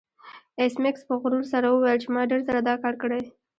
ایس میکس په غرور سره وویل چې ما ډیر ځله دا کار کړی